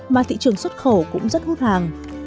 mà thị trường xuất khẩu cũng rất hút hàng